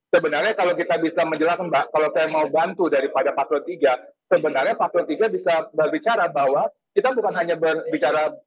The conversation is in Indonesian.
sebenarnya kalau kita bisa menjelaskan mbak kalau saya mau bantu daripada paslon tiga sebenarnya paslon tiga bisa berbicara bahwa kita bukan hanya berbicara